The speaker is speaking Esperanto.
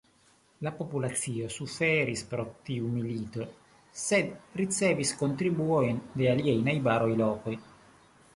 La populacio suferis pro tiu milito, sed ricevis kontribuojn de aliaj najbaraj lokoj.